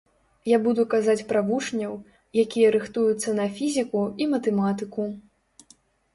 Я буду казаць пра вучняў, якія рыхтуюцца на фізіку і матэматыку.